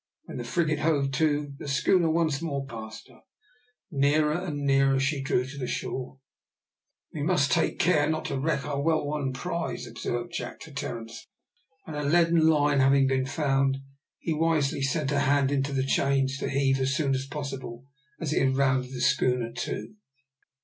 When the frigate hove to, the schooner once more passed her. Nearer and nearer she drew to the shore. "We must take care not to wreck our well won prize," observed Jack to Terence, and a lead and line having been found, he wisely sent a hand into the chains, to heave it as soon as he had rounded the schooner to.